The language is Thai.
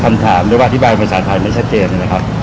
หรือว่าอธิบายภาษาไทยไม่ชัดเจนนะครับ